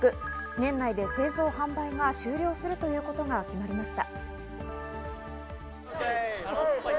年内で製造販売が終了することが決まりました。